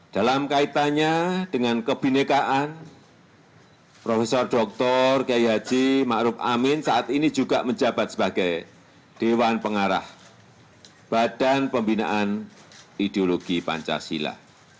dalam kaitannya dengan kebenekaan profesor dr gaya ji ma'ruf amin saat ini juga menjabat sebagai dewan pengarah badan pembinaan ideologi pancasila